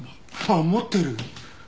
あっ持ってる。